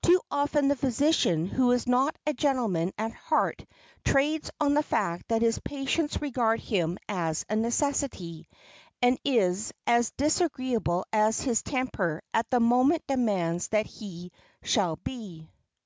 Too often the physician who is not a gentleman at heart trades on the fact that his patients regard him as a necessity, and is as disagreeable as his temper at the moment demands that he shall be.